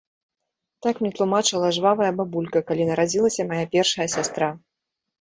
Так мне тлумачыла жвавая бабулька, калі нарадзілася мая першая сястра.